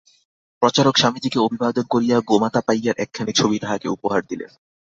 প্রচারক স্বামীজীকে অভিবাদন করিয়া গোমাতাপাইয়ার একখানি ছবি তাঁহাকে উপহার দিলেন।